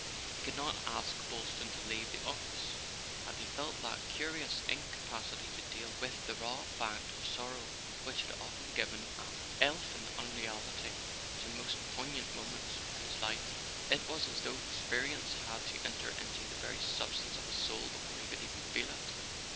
He could not ask Boylston to leave the office, and he felt that curious incapacity to deal [ 199 ] A SON AT THE FRONT with the raw fact of sorrow which had often given an elfin unreality to the most poignant moments of his life. It was as though experience had to enter into the very substance of his soul before he could even feel it.